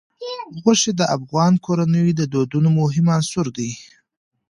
غوښې د افغان کورنیو د دودونو مهم عنصر دی.